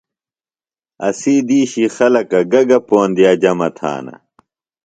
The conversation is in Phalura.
اسی دیشی خلکہ گہ گہ پوندِیہ جمع تھانہ؟